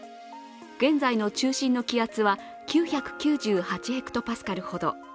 現在の中心の気圧は９９８ｈＰａほど。